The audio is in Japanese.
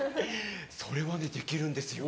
それはねできるんですよ。